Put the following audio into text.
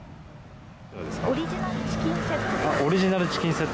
オリジナルチキンセット。